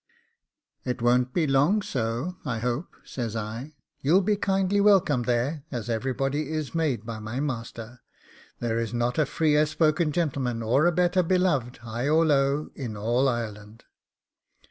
'It won't be long so, I hope,' says I; 'you'll be kindly welcome there, as everybody is made by my master: there is not a freer spoken gentleman, or a better beloved, high or low, in all Ireland.